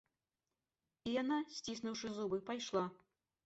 І яна, сціснуўшы зубы, пайшла.